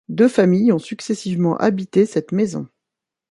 Deux familles ont successivement habité cette maison.